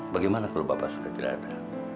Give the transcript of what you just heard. bagaimana kalau bapak sudah tidak ada